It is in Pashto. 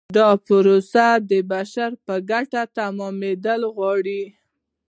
دا پروسه د بشر په ګټه تمامیدل غواړي.